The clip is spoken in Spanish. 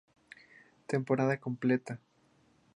Temporada completa.